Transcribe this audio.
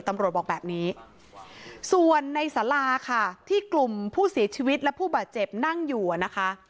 ตำรวจบอกแบบนี้ส่วนในสาราค่ะที่กลุ่มผู้เสียชีวิตและผู้บาดเจ็บนั่งอยู่อ่ะนะคะ